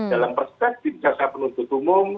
dalam perspektif jaksa penuntut umum